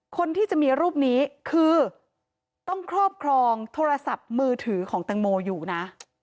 คนที่จะมีรูปนี้คือต้องครอบครองโทรศัพท์มือถือของแตงโมอยู่นะ